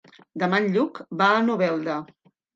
Demà en Lluc va a Novelda.